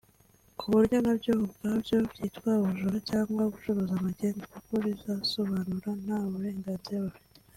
ku buryo nabyo ubwabyo byitwa ubujura cyangwa gucuruza magendu kuko bazisobanura nta burenganzira bafite